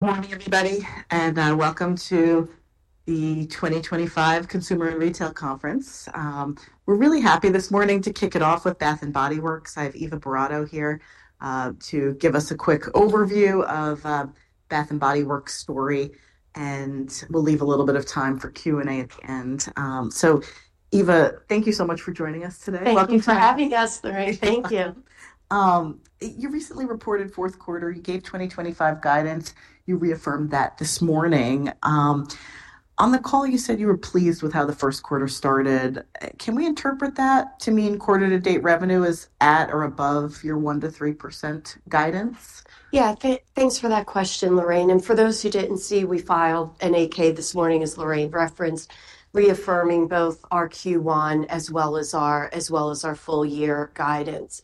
Good morning, everybody, and welcome to the 2025 Consumer and Retail Conference. We're really happy this morning to kick it off with Bath & Body Works. I have Eva Boratto here to give us a quick overview of Bath & Body Works' story, and we'll leave a little bit of time for Q&A at the end. Eva, thank you so much for joining us today. Thank you for having us, Lorraine. Thank you. You recently reported fourth quarter. You gave 2025 guidance. You reaffirmed that this morning. On the call, you said you were pleased with how the first quarter started. Can we interpret that to mean quarter-to-date revenue is at or above your 1-3% guidance? Yeah, thanks for that question, Lorraine. For those who did not see, we filed an AK this morning, as Lorraine referenced, reaffirming both our Q1 as well as our full-year guidance.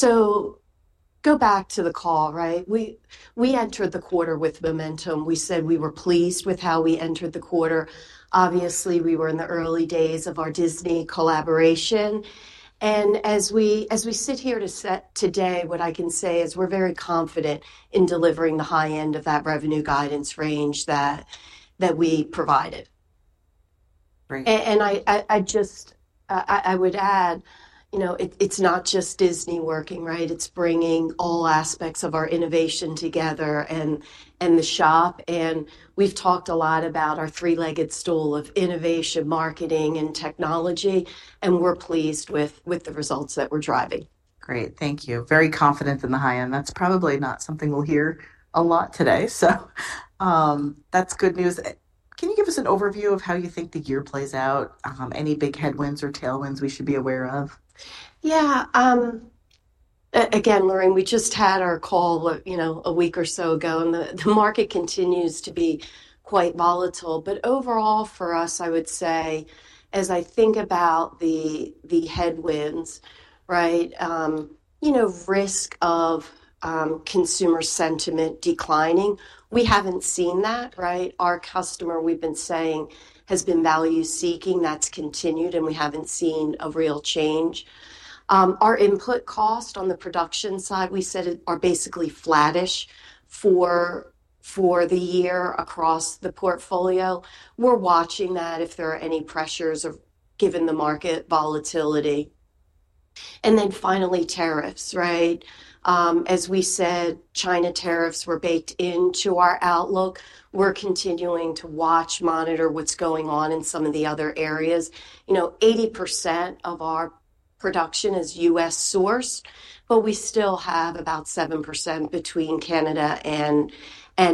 Go back to the call, right? We entered the quarter with momentum. We said we were pleased with how we entered the quarter. Obviously, we were in the early days of our Disney collaboration. As we sit here today, what I can say is we are very confident in delivering the high end of that revenue guidance range that we provided. Great. I just would add, you know, it's not just Disney working, right? It's bringing all aspects of our innovation together and the shop. We have talked a lot about our three-legged stool of innovation, marketing, and technology, and we're pleased with the results that we're driving. Great. Thank you. Very confident in the high end. That's probably not something we'll hear a lot today, so that's good news. Can you give us an overview of how you think the year plays out? Any big headwinds or tailwinds we should be aware of? Yeah. Again, Lorraine, we just had our call, you know, a week or so ago, and the market continues to be quite volatile. Overall, for us, I would say, as I think about the headwinds, right, you know, risk of consumer sentiment declining, we haven't seen that, right? Our customer, we've been saying, has been value-seeking. That's continued, and we haven't seen a real change. Our input cost on the production side, we said, are basically flattish for the year across the portfolio. We're watching that if there are any pressures given the market volatility. Finally, tariffs, right? As we said, China tariffs were baked into our outlook. We're continuing to watch, monitor what's going on in some of the other areas. You know, 80% of our production is U.S. sourced, but we still have about 7% between Canada and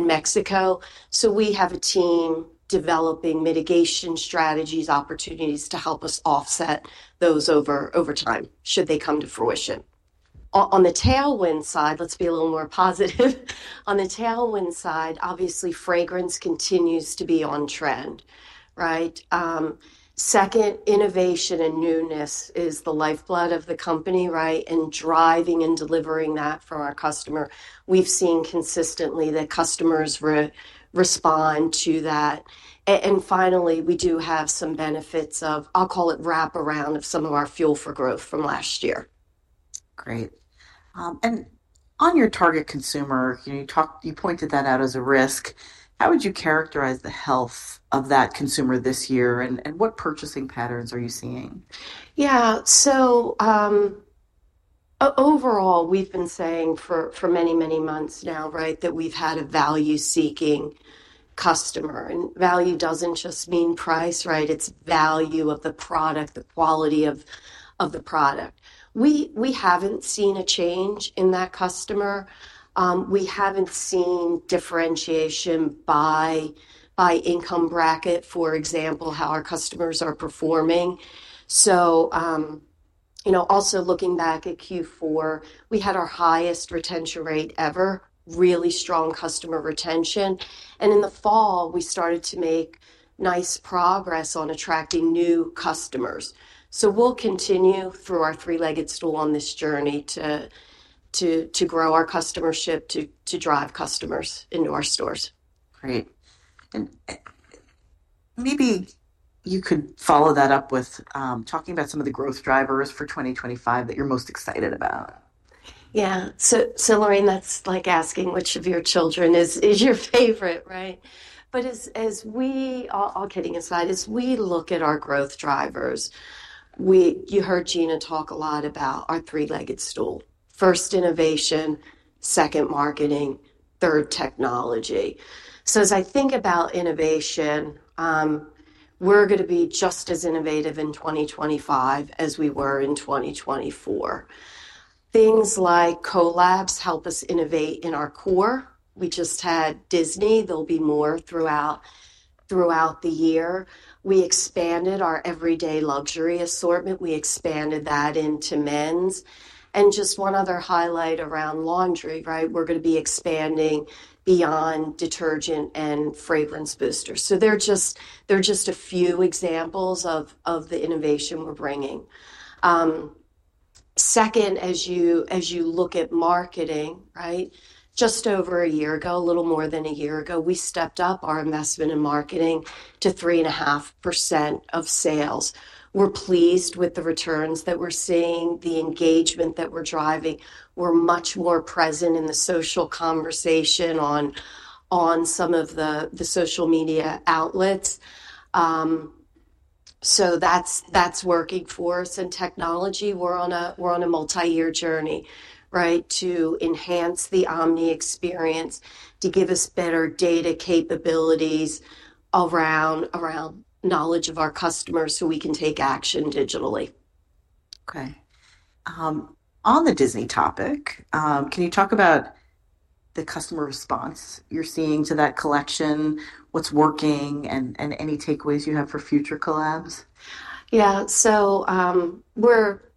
Mexico. We have a team developing mitigation strategies, opportunities to help us offset those over time should they come to fruition. On the tailwind side, let's be a little more positive. On the tailwind side, obviously, fragrance continues to be on trend, right? Second, innovation and newness is the lifeblood of the company, right? Driving and delivering that for our customer, we've seen consistently that customers respond to that. Finally, we do have some benefits of, I'll call it, wrap-around of some of our Fuel for Growth from last year. Great. On your target consumer, you pointed that out as a risk. How would you characterize the health of that consumer this year, and what purchasing patterns are you seeing? Yeah. So overall, we've been saying for many, many months now, right, that we've had a value-seeking customer. And value doesn't just mean price, right? It's value of the product, the quality of the product. We haven't seen a change in that customer. We haven't seen differentiation by income bracket, for example, how our customers are performing. You know, also looking back at Q4, we had our highest retention rate ever, really strong customer retention. In the fall, we started to make nice progress on attracting new customers. We'll continue through our three-legged stool on this journey to grow our customership, to drive customers into our stores. Great. Maybe you could follow that up with talking about some of the growth drivers for 2025 that you're most excited about. Yeah. Lorraine, that's like asking which of your children is your favorite, right? All kidding aside, as we look at our growth drivers, you heard Gina talk a lot about our three-legged stool: first, innovation; second, marketing; third, technology. As I think about innovation, we're going to be just as innovative in 2025 as we were in 2024. Things like collabs help us innovate in our core. We just had Disney. There'll be more throughout the year. We expanded our everyday Luxury assortment. We expanded that into men's. Just one other highlight around laundry, right? We're going to be expanding beyond detergent and fragrance boosters. They're just a few examples of the innovation we're bringing. Second, as you look at marketing, just over a year ago, a little more than a year ago, we stepped up our investment in marketing to 3.5% of sales. We're pleased with the returns that we're seeing, the engagement that we're driving. We're much more present in the social conversation on some of the social media outlets. That is working for us. Technology, we're on a multi-year journey, right, to enhance the omni experience, to give us better data capabilities around knowledge of our customers so we can take action digitally. Okay. On the Disney topic, can you talk about the customer response you're seeing to that collection, what's working, and any takeaways you have for future collabs? Yeah. So we're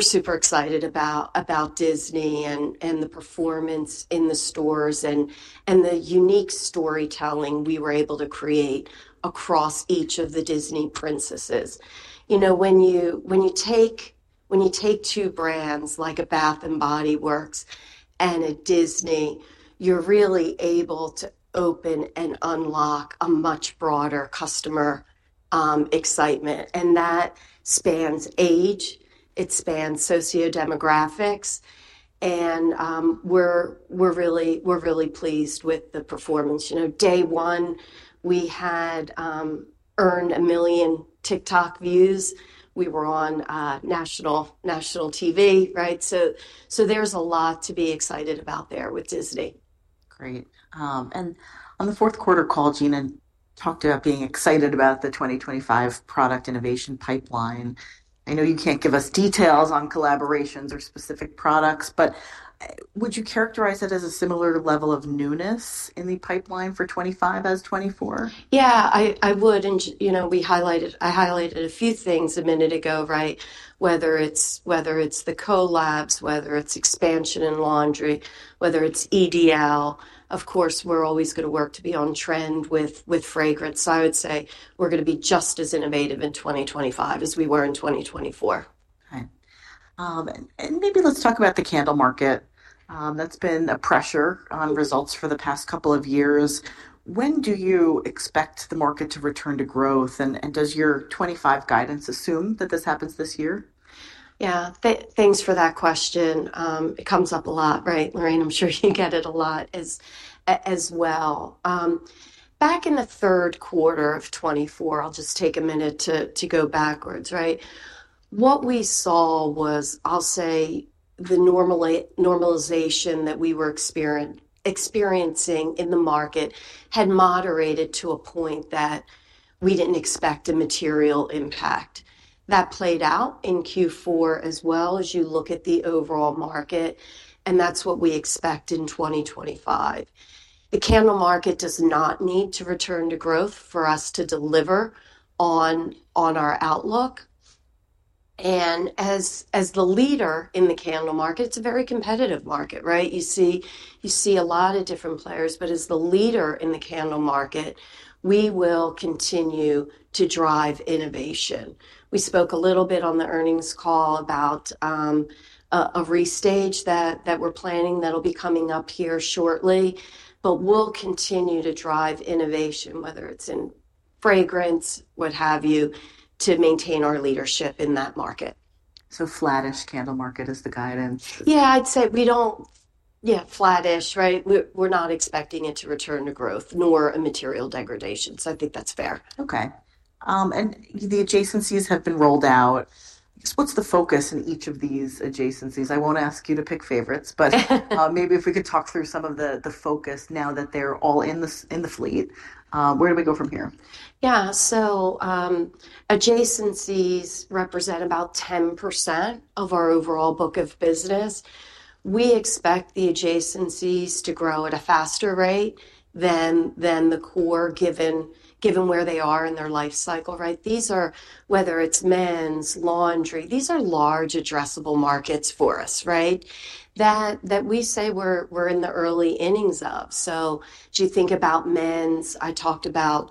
super excited about Disney and the performance in the stores and the unique storytelling we were able to create across each of the Disney princesses. You know, when you take two brands like a Bath & Body Works and a Disney, you're really able to open and unlock a much broader customer excitement. That spans age. It spans sociodemographic. We're really pleased with the performance. You know, day one, we had earned a million TikTok views. We were on national TV, right? There's a lot to be excited about there with Disney. Great. On the fourth quarter call, Gina talked about being excited about the 2025 product innovation pipeline. I know you can't give us details on collaborations or specific products, but would you characterize it as a similar level of newness in the pipeline for 2025 as 2024? Yeah, I would. And you know, we highlighted—I highlighted a few things a minute ago, right? Whether it's the collabs, whether it's expansion in laundry, whether it's EDL, of course, we're always going to work to be on trend with fragrance. I would say we're going to be just as innovative in 2025 as we were in 2024. Okay. Maybe let's talk about the candle market. That's been a pressure on results for the past couple of years. When do you expect the market to return to growth? Does your 2025 guidance assume that this happens this year? Yeah. Thanks for that question. It comes up a lot, right, Lorraine? I'm sure you get it a lot as well. Back in the third quarter of 2024, I'll just take a minute to go backwards, right? What we saw was, I'll say, the normalization that we were experiencing in the market had moderated to a point that we didn't expect a material impact. That played out in Q4 as well as you look at the overall market, and that's what we expect in 2025. The candle market does not need to return to growth for us to deliver on our outlook. As the leader in the candle market, it's a very competitive market, right? You see a lot of different players, but as the leader in the candle market, we will continue to drive innovation. We spoke a little bit on the earnings call about a restage that we're planning that'll be coming up here shortly, but we'll continue to drive innovation, whether it's in fragrance, what have you, to maintain our leadership in that market. Flattish candle market is the guidance. Yeah, I'd say we don't—yeah, flattish, right? We're not expecting it to return to growth, nor a material degradation. I think that's fair. Okay. The adjacencies have been rolled out. What's the focus in each of these adjacencies? I won't ask you to pick favorites, but maybe if we could talk through some of the focus now that they're all in the fleet, where do we go from here? Yeah. Adjacencies represent about 10% of our overall book of business. We expect the adjacencies to grow at a faster rate than the core, given where they are in their life cycle, right? These are, whether it's men's, laundry, these are large addressable markets for us, right, that we say we're in the early innings of. If you think about men's, I talked about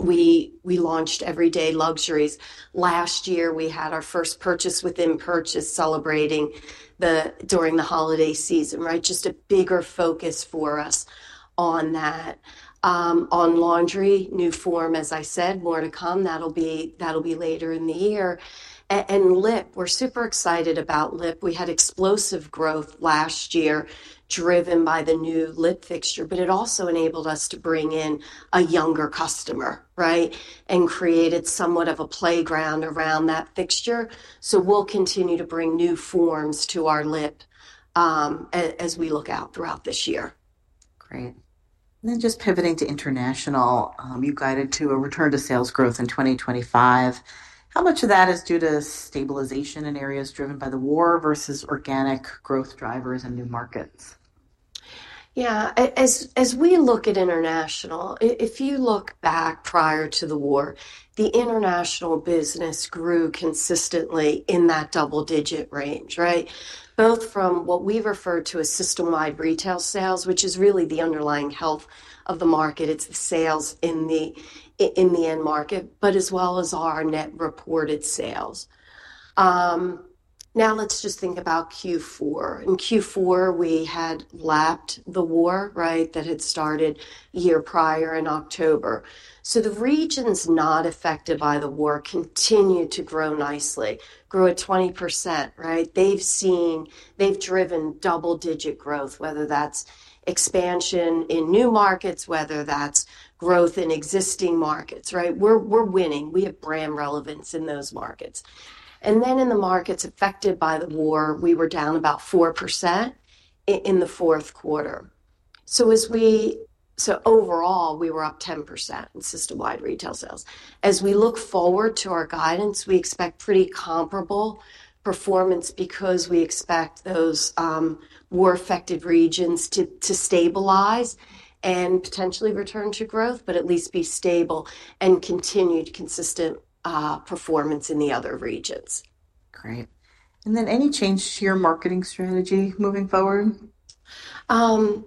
we launched Everyday Luxury. Last year, we had our first purchase within purchase celebrating during the holiday season, right? Just a bigger focus for us on that. On laundry, new form, as I said, more to come. That'll be later in the year. Lip, we're super excited about lip. We had explosive growth last year driven by the new lip fixture, but it also enabled us to bring in a younger customer, right, and created somewhat of a playground around that fixture. We'll continue to bring new forms to our lip as we look out throughout this year. Great. Just pivoting to international, you guided to a return to sales growth in 2025. How much of that is due to stabilization in areas driven by the war versus organic growth drivers and new markets? Yeah. As we look at international, if you look back prior to the war, the international business grew consistently in that double-digit range, right? Both from what we refer to as system-wide retail sales, which is really the underlying health of the market. It's sales in the end market, but as well as our net reported sales. Now let's just think about Q4. In Q4, we had lapped the war, right, that had started a year prior in October. The regions not affected by the war continued to grow nicely, grew at 20%, right? They've driven double-digit growth, whether that's expansion in new markets, whether that's growth in existing markets, right? We're winning. We have brand relevance in those markets. In the markets affected by the war, we were down about 4% in the fourth quarter. Overall, we were up 10% in system-wide retail sales. As we look forward to our guidance, we expect pretty comparable performance because we expect those war-affected regions to stabilize and potentially return to growth, but at least be stable and continue consistent performance in the other regions. Great. Any change to your marketing strategy moving forward? I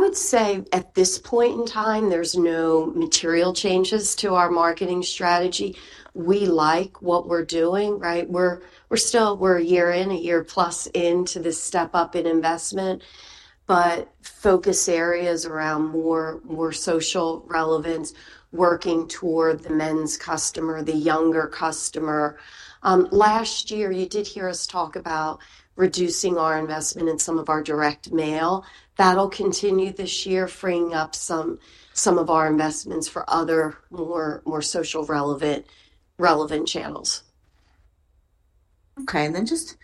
would say at this point in time, there's no material changes to our marketing strategy. We like what we're doing, right? We're still a year in, a year plus into this step-up in investment, but focus areas around more social relevance, working toward the men's customer, the younger customer. Last year, you did hear us talk about reducing our investment in some of our direct mail. That'll continue this year, freeing up some of our investments for other more social relevant channels. Okay. Just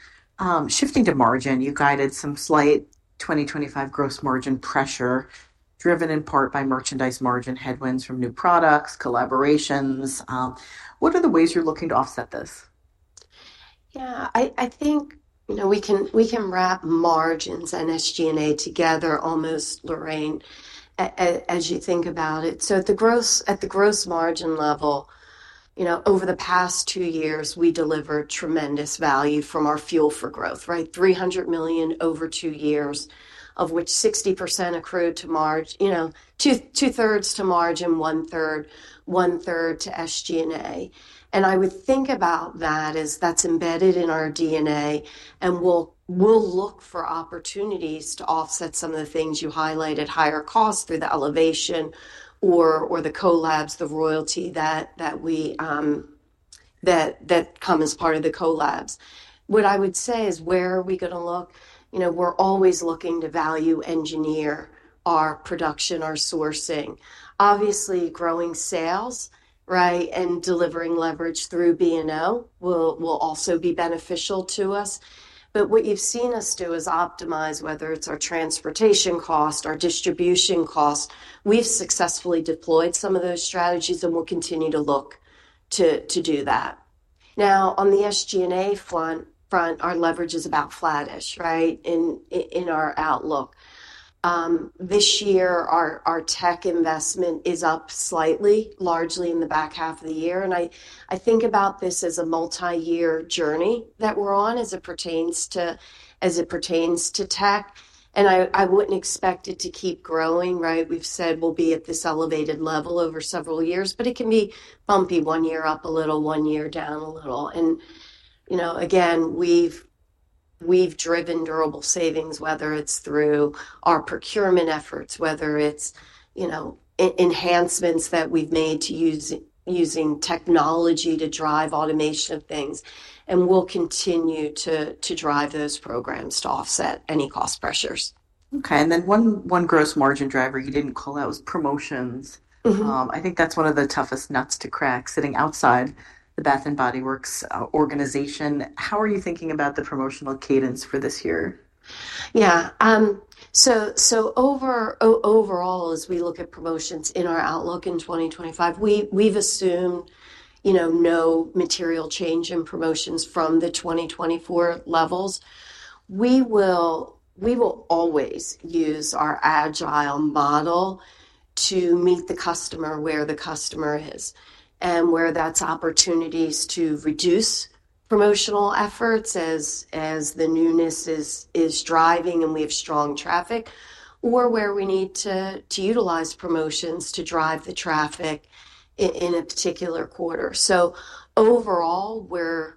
shifting to margin, you guided some slight 2025 gross margin pressure driven in part by merchandise margin headwinds from new products, collaborations. What are the ways you're looking to offset this? Yeah. I think we can wrap margins and SG&A together almost, Lorraine, as you think about it. At the gross margin level, over the past two years, we delivered tremendous value from our Fuel for Growth, right? $300 million over two years, of which 60% accrued to margin, you know, two-thirds to margin, one-third to SG&A. I would think about that as that's embedded in our DNA, and we'll look for opportunities to offset some of the things you highlighted, higher costs through the elevation or the collabs, the royalty that come as part of the collabs. What I would say is, where are we going to look? You know, we're always looking to value engineer our production, our sourcing. Obviously, growing sales, right, and delivering leverage through B&O will also be beneficial to us. What you've seen us do is optimize, whether it's our transportation cost, our distribution cost. We've successfully deployed some of those strategies, and we'll continue to look to do that. Now, on the SG&A front, our leverage is about flattish, right, in our outlook. This year, our tech investment is up slightly, largely in the back half of the year. I think about this as a multi-year journey that we're on as it pertains to tech. I wouldn't expect it to keep growing, right? We've said we'll be at this elevated level over several years, but it can be bumpy one year up a little, one year down a little. You know, again, we've driven durable savings, whether it's through our procurement efforts, whether it's enhancements that we've made to using technology to drive automation of things. We will continue to drive those programs to offset any cost pressures. Okay. One gross margin driver you did not call out was promotions. I think that is one of the toughest nuts to crack sitting outside the Bath & Body Works organization. How are you thinking about the promotional cadence for this year? Yeah. So overall, as we look at promotions in our outlook in 2025, we've assumed, you know, no material change in promotions from the 2024 levels. We will always use our agile model to meet the customer where the customer is and where there's opportunities to reduce promotional efforts as the newness is driving and we have strong traffic, or where we need to utilize promotions to drive the traffic in a particular quarter. Overall, we're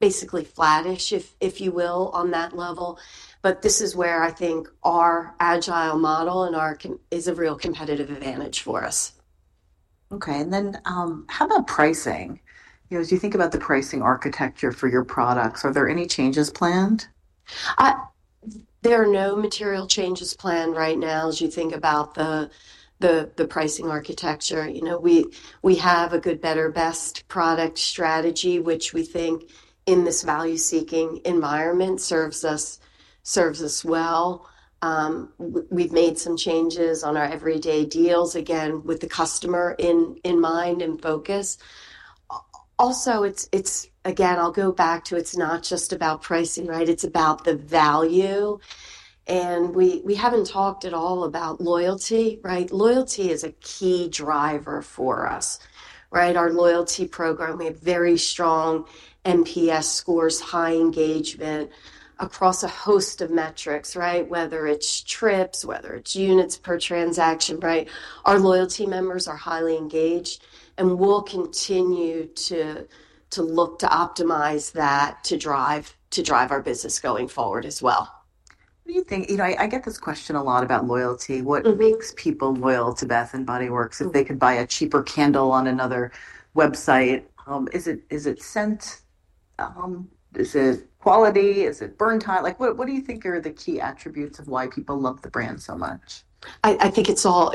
basically flattish, if you will, on that level. This is where I think our agile model is a real competitive advantage for us. Okay. And then how about pricing? As you think about the pricing architecture for your products, are there any changes planned? There are no material changes planned right now as you think about the pricing architecture. You know, we have a good, better, best product strategy, which we think in this value-seeking environment serves us well. We've made some changes on our everyday deals, again, with the customer in mind and focus. Also, again, I'll go back to it's not just about pricing, right? It's about the value. And we haven't talked at all about loyalty, right? Loyalty is a key driver for us, right? Our loyalty program, we have very strong NPS scores, high engagement across a host of metrics, right? Whether it's trips, whether it's units per transaction, right? Our loyalty members are highly engaged, and we'll continue to look to optimize that to drive our business going forward as well. What do you think? You know, I get this question a lot about loyalty. What makes people loyal to Bath & Body Works? If they could buy a cheaper candle on another website, is it scent? Is it quality? Is it burn time? What do you think are the key attributes of why people love the brand so much? I think it's all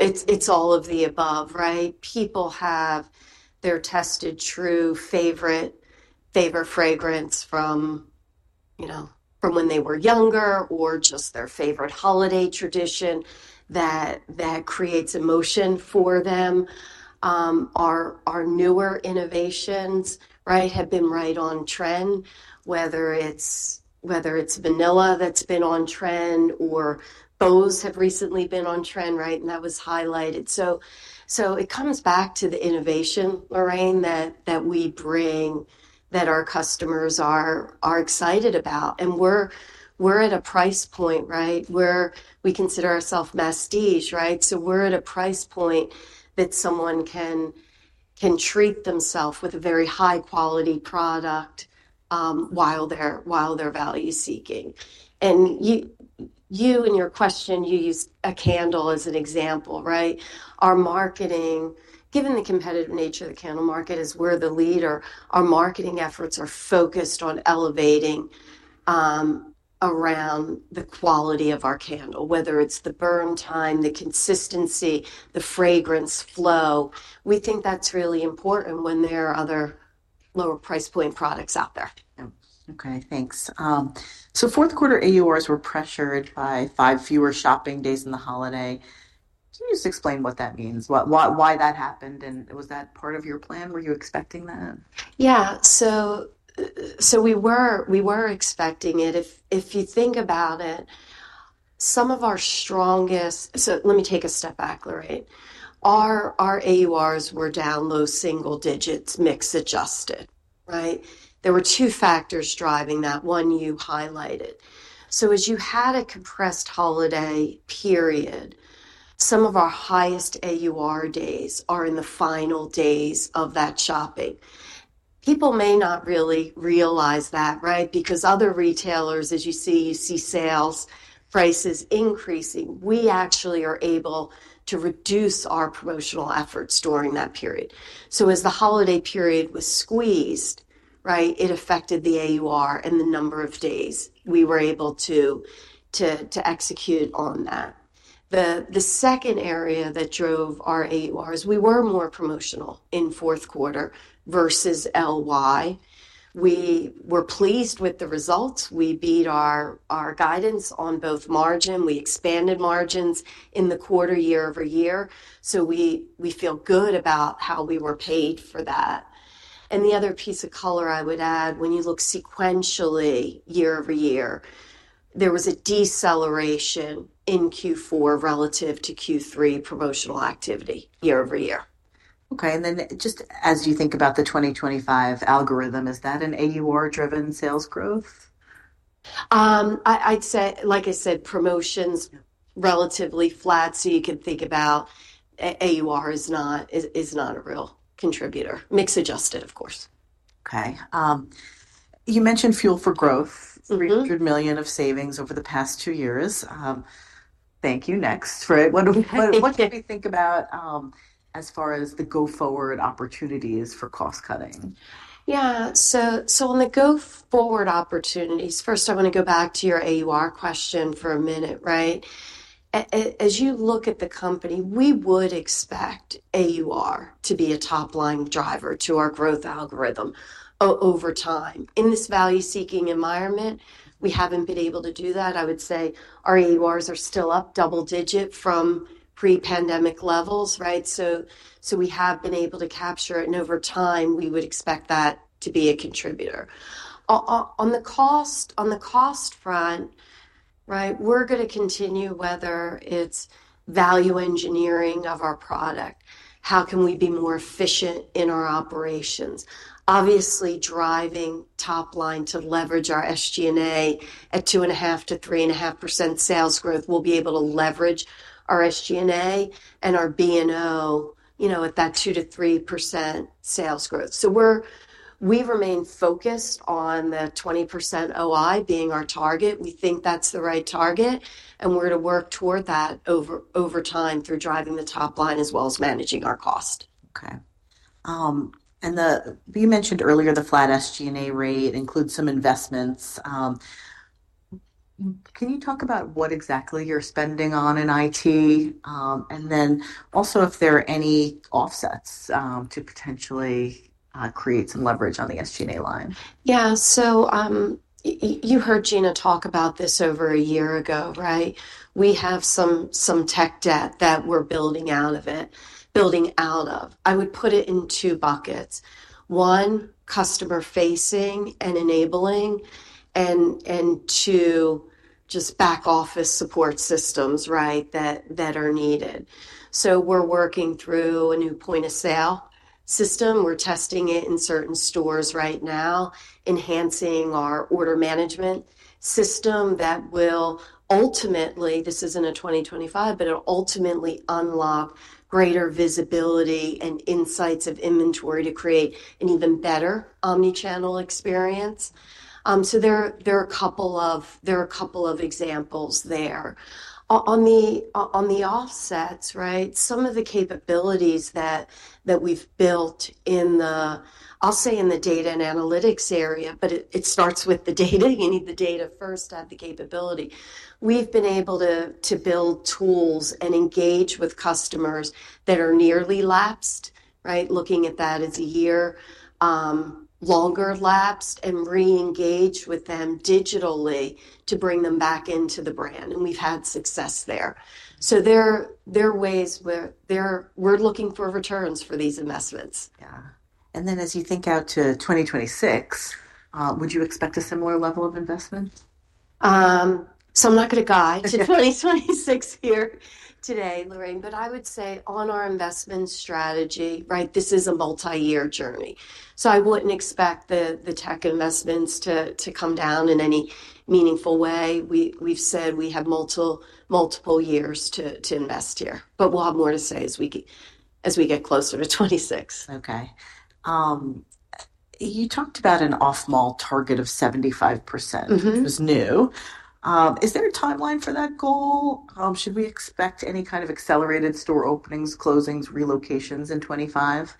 of the above, right? People have their tested true favorite fragrance from when they were younger or just their favorite holiday tradition that creates emotion for them. Our newer innovations, right, have been right on trend, whether it's vanilla that's been on trend or bows have recently been on trend, right? That was highlighted. It comes back to the innovation, Lorraine, that we bring that our customers are excited about. We're at a price point, right? We consider ourselves must-use, right? We're at a price point that someone can treat themself with a very high-quality product while they're value-seeking. You in your question, you used a candle as an example, right? Our marketing, given the competitive nature of the candle market as we're the leader, our marketing efforts are focused on elevating around the quality of our candle, whether it's the burn time, the consistency, the fragrance flow. We think that's really important when there are other lower price point products out there. Okay. Thanks. Fourth quarter AURs were pressured by five fewer shopping days in the holiday. Can you just explain what that means, why that happened? Was that part of your plan? Were you expecting that? Yeah. We were expecting it. If you think about it, some of our strongest—let me take a step back, Lorraine—our AURs were down low single digits, mix adjusted, right? There were two factors driving that, one you highlighted. As you had a compressed holiday period, some of our highest AUR days are in the final days of that shopping. People may not really realize that, right? Because other retailers, as you see, you see sales prices increasing. We actually are able to reduce our promotional efforts during that period. As the holiday period was squeezed, it affected the AUR and the number of days we were able to execute on that. The second area that drove our AURs, we were more promotional in fourth quarter versus LY. We were pleased with the results. We beat our guidance on both margin. We expanded margins in the quarter year over year. We feel good about how we were paid for that. The other piece of color I would add, when you look sequentially year over year, there was a deceleration in Q4 relative to Q3 promotional activity year over year. Okay. As you think about the 2025 algorithm, is that an AUR-driven sales growth? Like I said, promotions relatively flat. You can think about AUR is not a real contributor. Mix adjusted, of course. Okay. You mentioned Fuel for Growth, $300 million of savings over the past two years. Thank you. Next. What can we think about as far as the go-forward opportunities for cost cutting? Yeah. On the go-forward opportunities, first, I want to go back to your AUR question for a minute, right? As you look at the company, we would expect AUR to be a top-line driver to our growth algorithm over time. In this value-seeking environment, we haven't been able to do that. I would say our AURs are still up double-digit from pre-pandemic levels, right? We have been able to capture it. Over time, we would expect that to be a contributor. On the cost front, we are going to continue, whether it's value engineering of our product, how can we be more efficient in our operations? Obviously, driving top-line to leverage our SG&A at 2.5-3.5% sales growth, we will be able to leverage our SG&A and our B&O at that 2-3% sales growth. We remain focused on the 20% OI being our target. We think that's the right target. We're going to work toward that over time through driving the top line as well as managing our cost. Okay. You mentioned earlier the flat SG&A rate includes some investments. Can you talk about what exactly you're spending on in IT? Also, if there are any offsets to potentially create some leverage on the SG&A line? Yeah. You heard Gina talk about this over a year ago, right? We have some tech debt that we're building out of. I would put it in two buckets. One, customer-facing and enabling, and two, just back office support systems, right, that are needed. We're working through a new point of sale system. We're testing it in certain stores right now, enhancing our order management system that will ultimately, this is not a 2025, but it will ultimately unlock greater visibility and insights of inventory to create an even better omnichannel experience. There are a couple of examples there. On the offsets, some of the capabilities that we've built in the, I'll say in the data and analytics area, but it starts with the data. You need the data first, not the capability. We've been able to build tools and engage with customers that are nearly lapsed, right? Looking at that as a year longer lapsed and re-engage with them digitally to bring them back into the brand. We've had success there. There are ways where we're looking for returns for these investments. Yeah. As you think out to 2026, would you expect a similar level of investment? I'm not going to guide to 2026 here today, Lorraine, but I would say on our investment strategy, right, this is a multi-year journey. I wouldn't expect the tech investments to come down in any meaningful way. We've said we have multiple years to invest here, but we'll have more to say as we get closer to 2026. Okay. You talked about an off-mall target of 75%, which was new. Is there a timeline for that goal? Should we expect any kind of accelerated store openings, closings, relocations in 2025?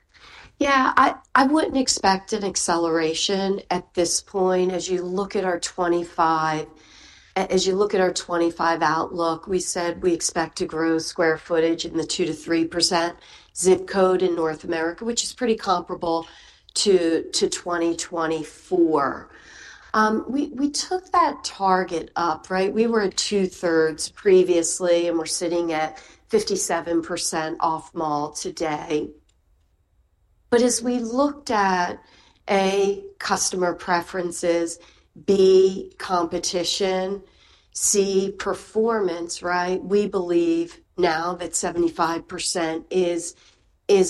Yeah. I wouldn't expect an acceleration at this point. As you look at our 2025, as you look at our 2025 outlook, we said we expect to grow square footage in the 2-3% zip code in North America, which is pretty comparable to 2024. We took that target up, right? We were at two-thirds previously, and we're sitting at 57% off-mall today. As we looked at A, customer preferences, B, competition, C, performance, right? We believe now that 75% is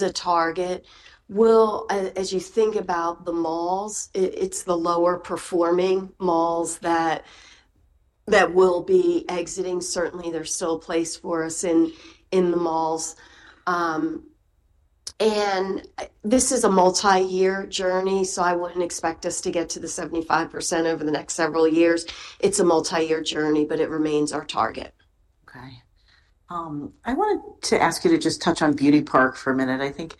a target. As you think about the malls, it's the lower-performing malls that will be exiting. Certainly, there's still a place for us in the malls. This is a multi-year journey, so I wouldn't expect us to get to the 75% over the next several years. It's a multi-year journey, but it remains our target. Okay. I wanted to ask you to just touch on Beauty Park for a minute. I think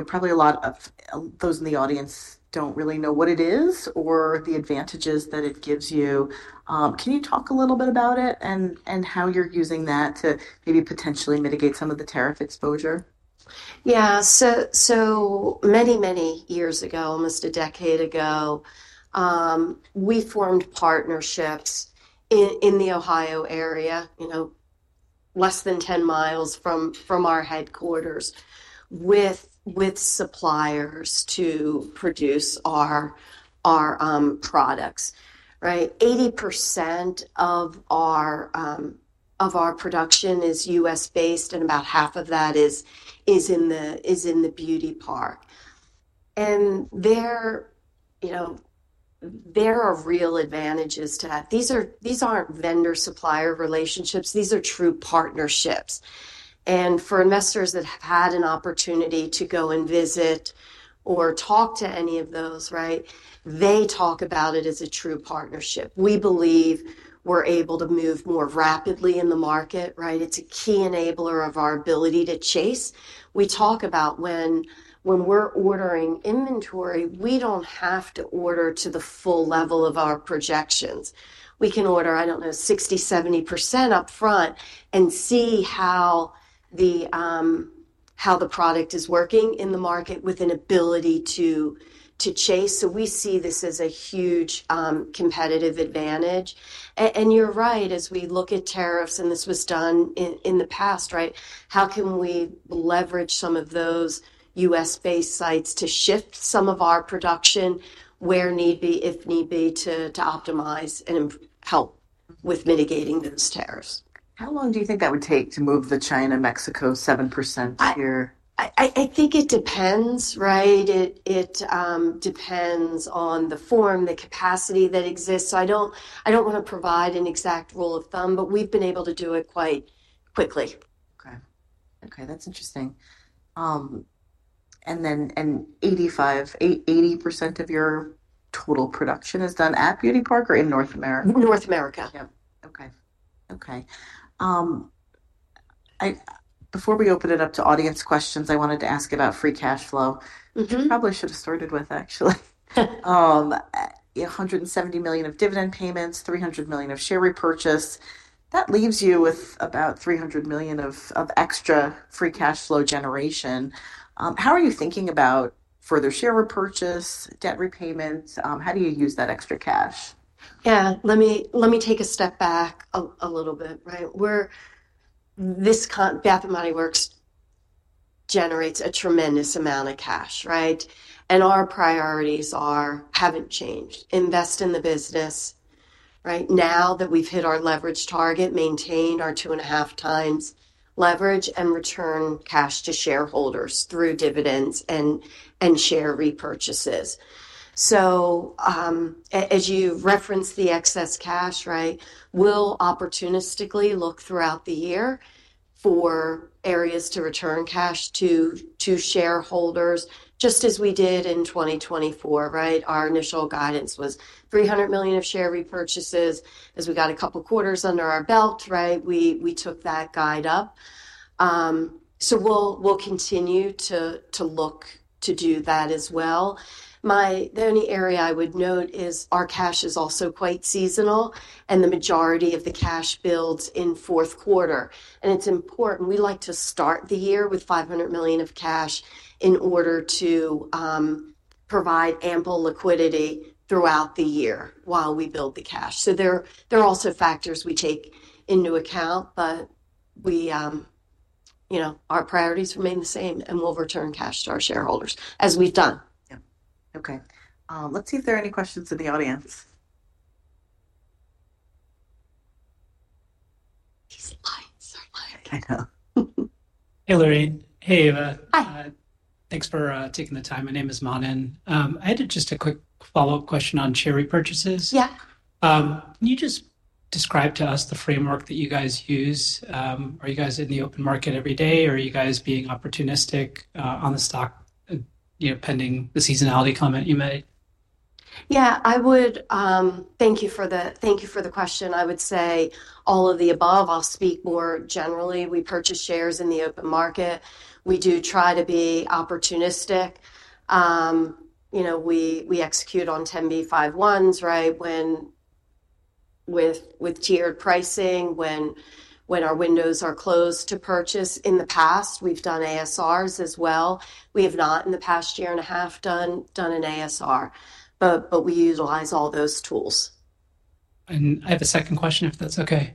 probably a lot of those in the audience don't really know what it is or the advantages that it gives you. Can you talk a little bit about it and how you're using that to maybe potentially mitigate some of the tariff exposure? Yeah. Many, many years ago, almost a decade ago, we formed partnerships in the Ohio area, less than 10 miles from our headquarters, with suppliers to produce our products, right? 80% of our production is U.S.-based, and about half of that is in the Beauty Park. There are real advantages to that. These are not vendor-supplier relationships. These are true partnerships. For investors that have had an opportunity to go and visit or talk to any of those, right, they talk about it as a true partnership. We believe we are able to move more rapidly in the market, right? It is a key enabler of our ability to chase. We talk about when we are ordering inventory, we do not have to order to the full level of our projections. We can order, I don't know, 60-70% upfront and see how the product is working in the market with an ability to chase. We see this as a huge competitive advantage. You're right, as we look at tariffs, and this was done in the past, right? How can we leverage some of those U.S.-based sites to shift some of our production where need be, if need be, to optimize and help with mitigating those tariffs? How long do you think that would take to move the China-Mexico 7% tier? I think it depends, right? It depends on the form, the capacity that exists. I don't want to provide an exact rule of thumb, but we've been able to do it quite quickly. Okay. Okay. That's interesting. And then 80% of your total production is done at Beauty Park or in North America? North America. Yeah. Okay. Okay. Before we open it up to audience questions, I wanted to ask about free cash flow, which we probably should have started with, actually. $170 million of dividend payments, $300 million of share repurchase. That leaves you with about $300 million of extra free cash flow generation. How are you thinking about further share repurchase, debt repayments? How do you use that extra cash? Yeah. Let me take a step back a little bit, right? This Bath & Body Works generates a tremendous amount of cash, right? And our priorities haven't changed. Invest in the business, right? Now that we've hit our leverage target, maintain our two and a half times leverage and return cash to shareholders through dividends and share repurchases. As you referenced the excess cash, right, we'll opportunistically look throughout the year for areas to return cash to shareholders, just as we did in 2024, right? Our initial guidance was $300 million of share repurchases. As we got a couple of quarters under our belt, right, we took that guide up. We'll continue to look to do that as well. The only area I would note is our cash is also quite seasonal, and the majority of the cash builds in fourth quarter. It's important. We like to start the year with $500 million of cash in order to provide ample liquidity throughout the year while we build the cash. There are also factors we take into account, but our priorities remain the same, and we'll return cash to our shareholders, as we've done. Yeah. Okay. Let's see if there are any questions in the audience. These lines are long. I know. Hey, Lorraine. Hey, Eva. Hi. Thanks for taking the time. My name is Manan. I had just a quick follow-up question on share repurchases. Yeah. Can you just describe to us the framework that you guys use? Are you guys in the open market every day, or are you guys being opportunistic on the stock pending the seasonality comment you made? Yeah. Thank you for the question. I would say all of the above. I'll speak more generally. We purchase shares in the open market. We do try to be opportunistic. We execute on 10b5-1s, right, with tiered pricing when our windows are closed to purchase. In the past, we've done ASRs as well. We have not, in the past year and a half, done an ASR, but we utilize all those tools. I have a second question, if that's okay.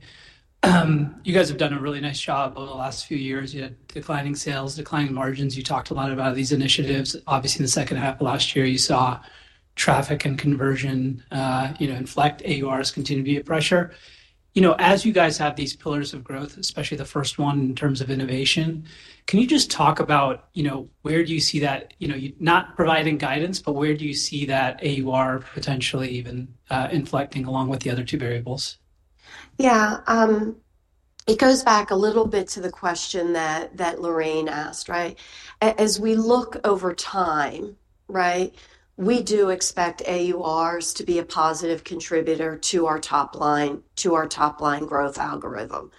You guys have done a really nice job over the last few years. You had declining sales, declining margins. You talked a lot about these initiatives. Obviously, in the second half of last year, you saw traffic and conversion inflect, AURs continue to be a pressure. As you guys have these pillars of growth, especially the first one in terms of innovation, can you just talk about where do you see that, not providing guidance, but where do you see that AUR potentially even inflecting along with the other two variables? Yeah. It goes back a little bit to the question that Lorraine asked, right? As we look over time, right, we do expect AURs to be a positive contributor to our top-line growth algorithm.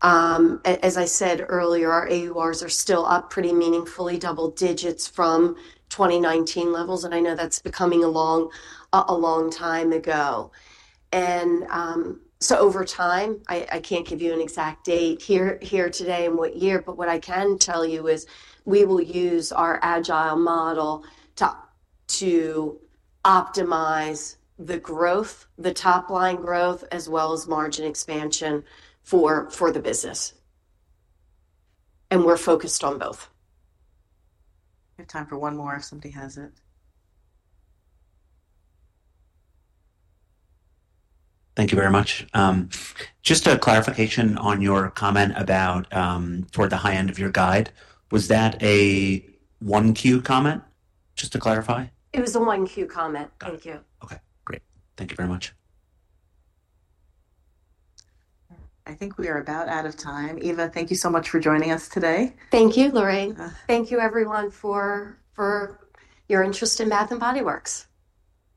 As I said earlier, our AURs are still up pretty meaningfully, double digits from 2019 levels. I know that's becoming a long time ago. Over time, I can't give you an exact date here today and what year, but what I can tell you is we will use our agile model to optimize the growth, the top-line growth, as well as margin expansion for the business. We're focused on both. We have time for one more if somebody has it. Thank you very much. Just a clarification on your comment about for the high end of your guide. Was that a one-Q comment? Just to clarify. It was a 1Q comment. Thank you. Okay. Great. Thank you very much. I think we are about out of time. Eva, thank you so much for joining us today. Thank you, Lorraine. Thank you, everyone, for your interest in Bath & Body Works.